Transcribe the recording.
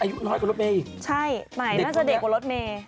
อายุน้อยกว่ารถเมย์อีกใช่ใหม่น่าจะเด็กกว่ารถเมย์